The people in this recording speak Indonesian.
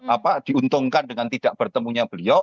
apa diuntungkan dengan tidak bertemunya beliau